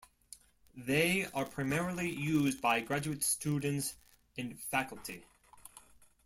They are primarily used by graduate students and faculty.